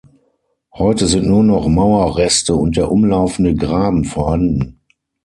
Heute sind nur noch Mauerreste und der umlaufende Graben vorhanden.